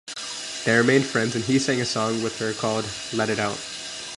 They remained friends and he sang a song with her called "Let It Out".